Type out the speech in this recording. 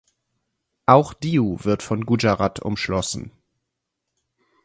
Auch Diu wird von Gujarat umschlossen.